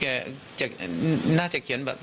น่าจะเขียนแบบ